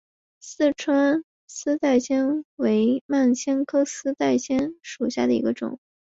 四川丝带藓为蔓藓科丝带藓属下的一个种。